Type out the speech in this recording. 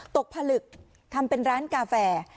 ผลึกทำเป็นร้านกาแฟ